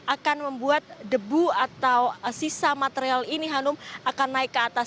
akan membuat debu atau sisa material ini hanum akan naik ke atas